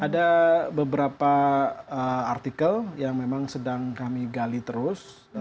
ada beberapa artikel yang memang sedang kami gali terus